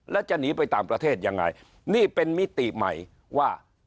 แล้วจะหนีไปต่างประเทศยังไงนี่เป็นมิติใหม่ว่า